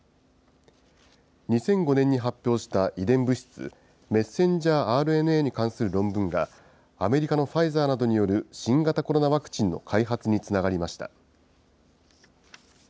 ２００５年に発表した遺伝物質、ｍＲＮＡに関する論文が、アメリカのファイザーなどによる新型コロナワクチンの開発につながりました。